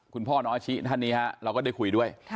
คุณพ่อน้องอาชิท่านนี้ฮะเราก็ได้คุยด้วย